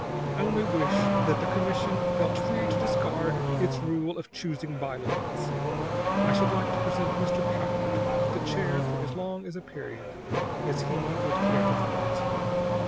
I only wish that the commission felt free to discard its rule of choosing by lots; I should like to present Mr. Powart with the chair for as long a period as he would care to fill it."